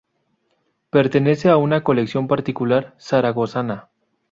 Pertenece a una colección particular zaragozana.